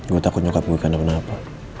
gue takut nyokap gue karena apa